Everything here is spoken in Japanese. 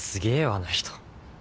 あの人。